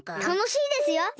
たのしいですよ。